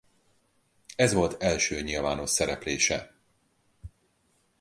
Ez volt első nyilvános szereplése.